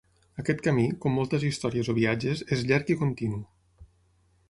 Aquest camí, com moltes històries o viatges, és llarg i continu.